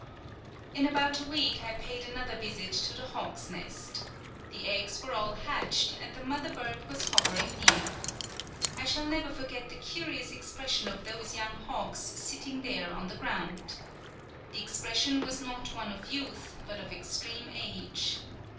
In about a week I paid another visit to the hawk's nest. The eggs were all hatched, and the mother bird was hovering near. I shall never forget the curious expression of those young hawks sitting there on the ground. The expression was not one of youth, but of extreme age.